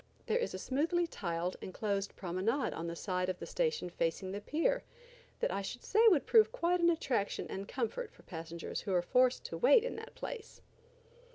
There is a smoothly tiled enclosed promenade on the side of the station facing the pier that I should say would prove quite an attraction and comfort for passengers who were forced to wait in that place.